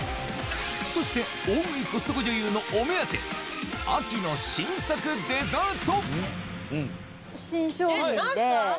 そして大食いコストコ女優のお目当て、秋の新作デザート。